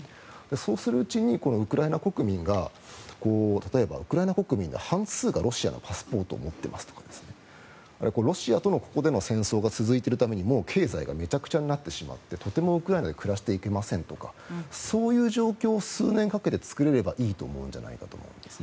そうするうちにウクライナ国民が例えばウクライナ国民の半数がロシアのパスポートを持ってますとかロシアとの戦争が続いているために経済がめちゃくちゃになってしまってとてもウクライナで暮らしていけませんとかそういう状況を数年かけて作れればいいと思うんじゃないかと思うんです。